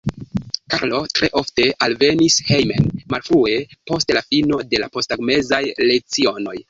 Karlo tre ofte alvenis hejmen malfrue post la fino de la posttagmezaj lecionoj.